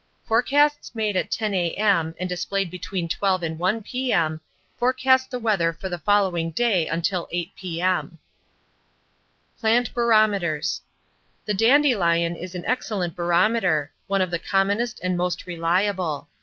Forecasts made at 10 A.M., and displayed between 12 and 1 P.M., forecast the weather for the following day until 8 P.M. FORECASTING THE WEATHER 245 Plant Barometers The dandelion is an excellent barometer, one of the commonest and most reliable.